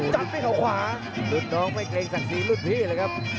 จัดให้เขาขวารุ่นน้องไม่เครงสัก๔รุ่นพี่เลยครับ